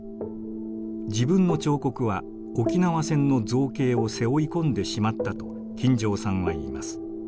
自分の彫刻は沖縄戦の造形を背負いこんでしまったと金城さんは言います。